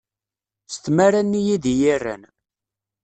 S tmara-nni i d iyi-rran.